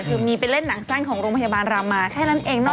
คือมีไปเล่นหนังสั้นของโรงพยาบาลรามาแค่นั้นเองเนอ